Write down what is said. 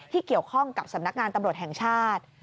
เกี่ยวข้องกับสำนักงานตำรวจแห่งชาติ